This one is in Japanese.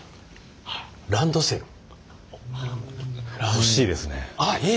惜しいですね。